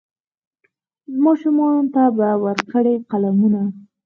ماشومانو ته به ورکړي قلمونه